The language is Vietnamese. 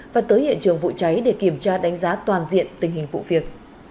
và tới hiện trường vụ cháy để kiểm tra đánh giá toàn diện tình hình vụ việc